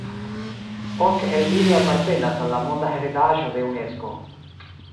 Ok el ili apartenas al la monda heredaĵo de Unesko.